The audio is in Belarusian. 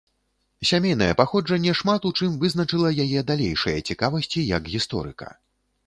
Сямейнае паходжанне шмат у чым вызначыла яе далейшыя цікавасці як гісторыка.